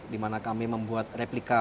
di mana kami membuat replika